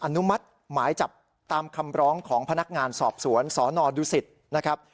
อนุมัติหมายจับตามคำร้องของพนักงานสอบสวนสนดุสิตนะครับ